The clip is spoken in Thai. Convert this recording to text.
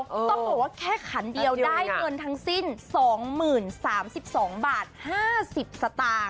ต้องบอกว่าแค่ขันเดียวได้เงินทั้งสิ้น๒๐๓๒บาท๕๐สตางค์